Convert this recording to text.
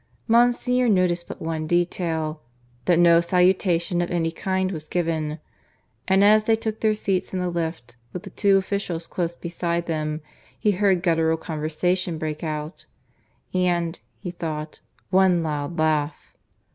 Monsignor noticed but one detail that no salutation of any kind was given; and as they took their seats in the lift, with the two officials close beside them, he heard guttural conversation break out, and, he thought, one loud laugh.